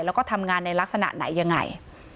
แล้วก็ทำงานในลักษณะไหนยังไง